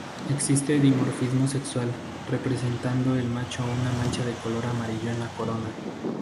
Existe dimorfismo sexual, presentando el macho una mancha de color amarillo en la corona.